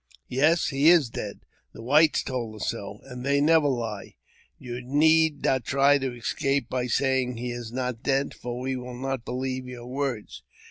" Yes, he is dead. The whites told us so, and they never lie. You need not try to escape by saying he is not dead, for we will not believe your words.